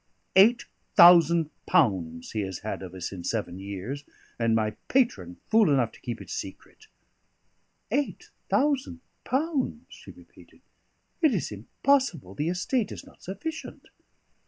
Eight thousand pounds has he had of us in seven years, and my patron fool enough to keep it secret!" "Eight thousand pounds!" she repeated. "It is impossible; the estate is not sufficient."